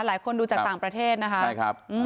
หลายคนดูจากต่างประเทศนะคะใช่ครับ